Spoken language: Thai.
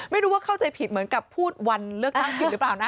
ไม่รู้ว่าเข้าใจผิดเหมือนกับพูดวันเลือกตั้งผิดหรือเปล่านะ